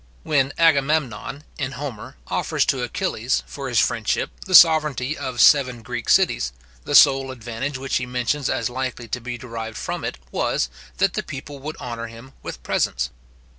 When Agamemnon, in Homer, offers to Achilles, for his friendship, the sovereignty of seven Greek cities, the sole advantage which he mentions as likely to be derived from it was, that the people would honour him with presents.